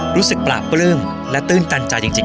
รู้สึกปราบปลื้มและตื้นตันใจจริง